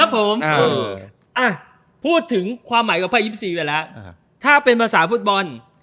พูดถึงความหมายของไพ่๒๔ไปแล้วถ้าเป็นภาษาฟุตบอล